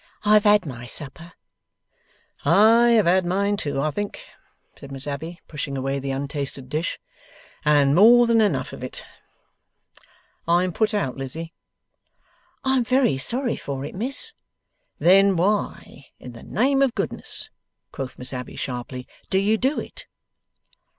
I have had my supper.' 'I have had mine too, I think,' said Miss Abbey, pushing away the untasted dish, 'and more than enough of it. I am put out, Lizzie.' 'I am very sorry for it, Miss.' 'Then why, in the name of Goodness,' quoth Miss Abbey, sharply, 'do you do it?